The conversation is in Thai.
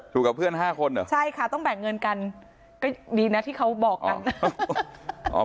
กับเพื่อน๕คนเหรอใช่ค่ะต้องแบ่งเงินกันก็ดีนะที่เขาบอกกัน